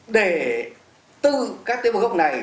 để từ các tế bồi gốc này